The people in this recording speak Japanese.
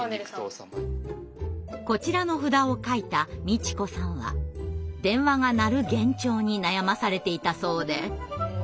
こちらの札をかいたみちこさんは電話が鳴る幻聴に悩まされていたそうで。